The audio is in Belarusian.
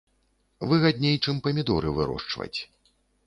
Выгадней, чым памідоры вырошчваць.